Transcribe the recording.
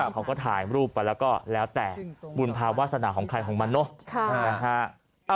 เขาก็ถ่ายรูปไปแล้วก็แล้วแต่บุญภาวาสนาของใครของมันเนอะ